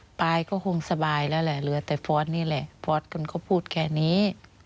สปายก็คงสบายแล้วแหละแต่ฟอสนี่แหละฟอสก็พูดแค่นี้